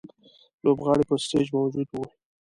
لوبغاړی پر سټېج موجود وي.